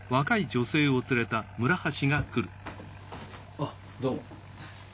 あっどうも。